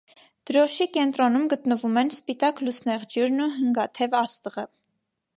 Դրոշի կենտրոնում գտնվում են սպիտակ լուսնեղջյուրն և հինգաթև աստղը։